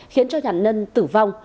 khiến cho nạn nhân tử vong